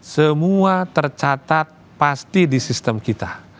semua tercatat pasti di sistem kita